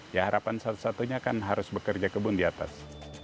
ya harapan satu satunya kan harus bekerja kebun di atas